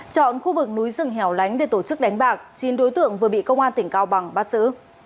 chọn khu vực núi rừng hẻo lánh để tổ chức đánh bạc chín đối tượng vừa bị công an tỉnh cao bằng bắt xử